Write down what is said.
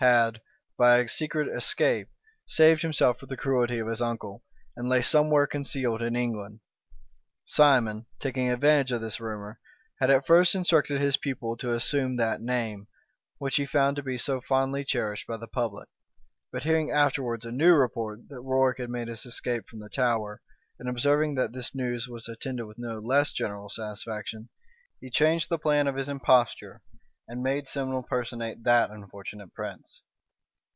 had, by a secret escape, saved himself from the cruelty of his uncle, and lay somewhere concealed in England. Simon, taking advantage of this rumor, had at first instructed his pupil to assume that name, which he found to be so fondly cherished by the public: but hearing afterwards a new report, that Warwick had made his escape from the Tower, and observing that this news was attended with no less general satisfaction, he changed the plan of his imposture, and made Simnel personate that unfortunate prince.